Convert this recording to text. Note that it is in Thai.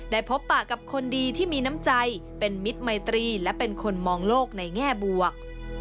พบปากกับคนดีที่มีน้ำใจเป็นมิตรมัยตรีและเป็นคนมองโลกในแง่บวก